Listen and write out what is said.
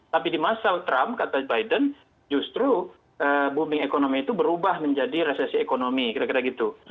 tapi di masa trump kata biden justru booming economy itu berubah menjadi resesi ekonomi kira kira gitu